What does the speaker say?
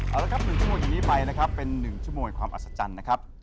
เอาละครับ๑ชั่วโมงอย่างนี้ไปนะครับเป็น๑ชั่วโมงความอัศจรรย์นะครับ